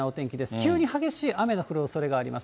急に激しい雨の降るおそれがあります。